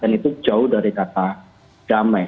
dan diperkirakan itu jauh dari kata damai